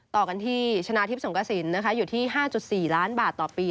ต่อกันที่ชนะทิพย์สงกระสินอยู่ที่๕๔ล้านบาทต่อปี